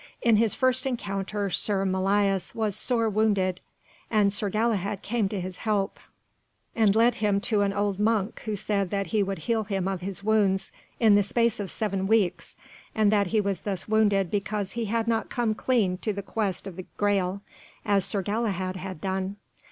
In his first encounter Sir Melias was sore wounded, and Sir Galahad came to his help, and left him to an old monk who said that he would heal him of his wounds in the space of seven weeks, and that he was thus wounded because he had not come clean to the quest of the Graal, as Sir Galahad had done.